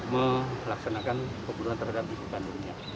melaksanakan pembunuhan terhadap ibu kandungnya